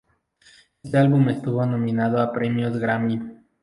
Este álbum estuvo nominado a los premios Grammy.